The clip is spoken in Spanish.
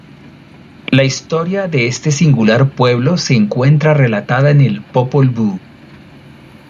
La historia de este singular pueblo se encuentra relatada en el Popol Vuh.